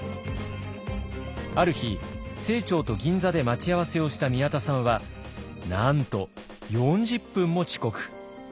ある日清張と銀座で待ち合わせをした宮田さんはなんと４０分も遅刻。